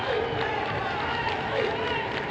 สวัสดีครับ